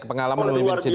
pengalaman memimpin sidang